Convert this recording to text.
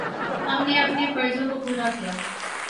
ہم نے اپنے فرضوں کو پورا کیا۔